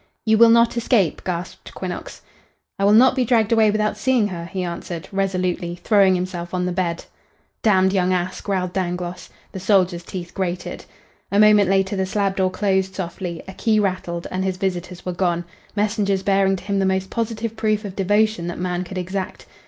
"You will not escape?" gasped Quinnox. "I will not be dragged away without seeing her," he answered, resolutely, throwing himself on the bed. "Damned young ass!" growled Dangloss. The soldier's teeth grated. A moment later the slab door closed softly, a key rattled, and his visitors were gone messengers bearing to him the most positive proof of devotion that man could exact.